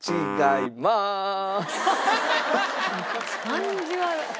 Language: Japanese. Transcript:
感じ悪っ！